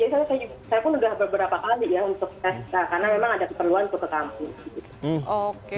saya pun sudah beberapa kali ya untuk tes karena memang ada keperluan untuk ke kampung